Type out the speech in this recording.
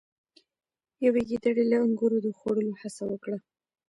یوې ګیدړې له انګورو د خوړلو هڅه وکړه.